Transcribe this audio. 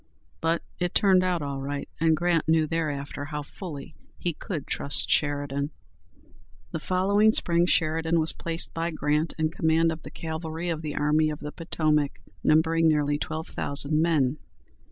But it turned out all right, and Grant knew thereafter how fully he could trust Sheridan. The following spring Sheridan was placed by Grant in command of the cavalry of the Army of the Potomac, numbering nearly twelve thousand men.